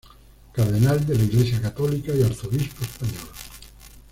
Cardenal de la Iglesia católica y arzobispo español.